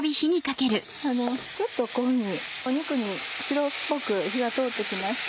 ちょっとこういうふうに肉に白っぽく火が通って来ました。